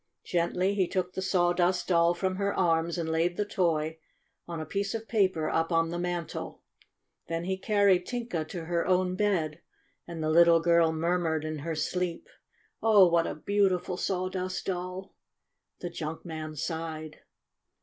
Gently he took the Sawdust Doll from her arms and laid the toy on a piece of paper up on the mantel. Then he carried Tinka to her own bed, and the little girl murmured in her sleep : "Oh, what a beautiful Sawdust Doll!" The junk man sighed.